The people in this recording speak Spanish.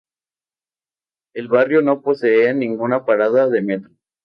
El barrio no posee ninguna parada de Metro.